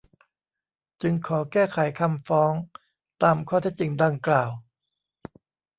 จึงขอแก้ไขคำฟ้องตามข้อเท็จจริงดังกล่าว